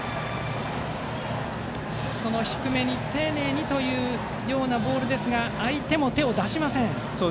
その低めに丁寧にというボールですが相手も手を出しません。